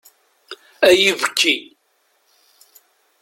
Ay ibekki!